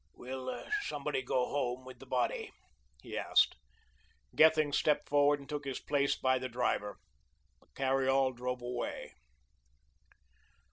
"Will somebody go home with the body?" he asked. Gethings stepped forward and took his place by the driver. The carry all drove away.